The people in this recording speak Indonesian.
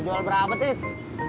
lo jual berah abet is